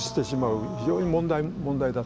非常に問題だと。